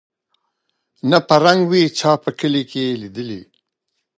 نه په رنګ وې چا په کلي کي لیدلی